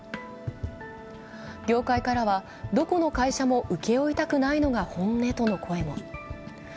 業界からは、どこの会社も請け負いたくないのが本音との声も。